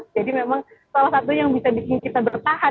jadi memang salah satu yang bisa bikin kita bertahan